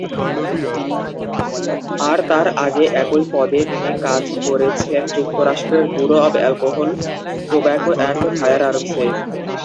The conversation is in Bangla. আর তার আগে একই পদে তিনি কাজ করেছেন যুক্তরাষ্ট্রের Bureau of Alcohol, Tobacco and ফায়ারআর্মসে।